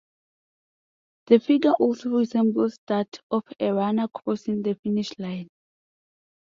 The figure also resembles that of a runner crossing the finish line.